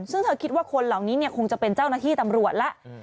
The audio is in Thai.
ซึ่งเธอคิดว่าคนเหล่านี้คงจะเป็นเจ้าหน้าที่ตำรวจแล้ว